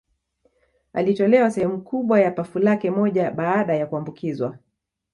Alitolewa sehemu kubwa ya pafu lake moja baada ya kuambukizwa